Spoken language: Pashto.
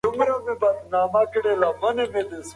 انګریزانو شاه شجاع یو مناسب کس وباله.